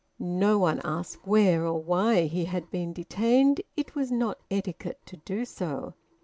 No one asked where or why he had been detained; it was not etiquette to do so.